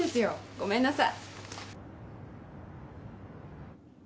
ごめんなさい。